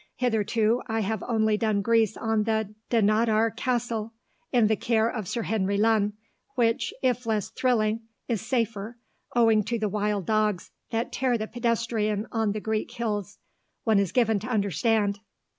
Hitherto I have only done Greece on the Dunnottar Castle, in the care of Sir Henry Lunn, which, if less thrilling, is safer, owing to the wild dogs that tear the pedestrian on the Greek hills, one is given to understand.